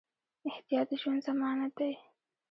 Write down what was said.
احتیاط د ژوند ضمانت دی.